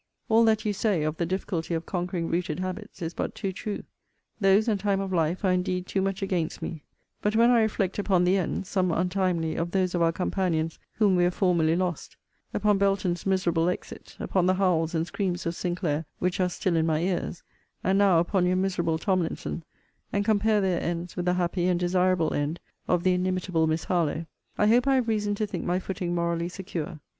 All that you say, of the difficulty of conquering rooted habits, is but too true. Those, and time of life, are indeed too much against me: but, when I reflect upon the ends (some untimely) of those of our companions whom we have formerly lost; upon Belton's miserable exit; upon the howls and screams of Sinclair, which are still in my ears; and now upon your miserable Tomlinson, and compare their ends with the happy and desirable end of the inimitable Miss Harlowe, I hope I have reason to think my footing morally secure.